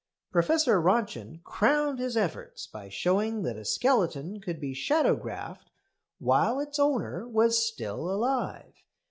Professor Röntgen crowned his efforts by showing that a skeleton could be "shadow graphed" while its owner was still alive.